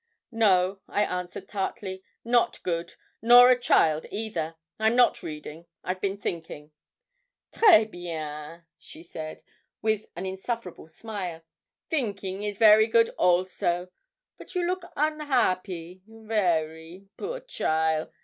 'No,' I answered tartly; 'not good, nor a child either; I'm not reading, I've been thinking.' 'Très bien!' she said, with an insufferable smile, 'thinking is very good also; but you look unhappy very, poor cheaile.